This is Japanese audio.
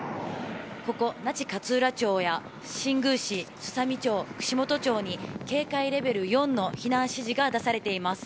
ここ、那智勝浦町や新宮市すさみ町、串本町に警戒レベル４の避難指示が出されています。